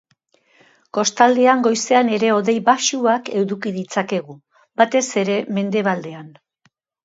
Kostaldean goizean ere hodei baxuak eduki ditzakegu, batez ere mendebaldean.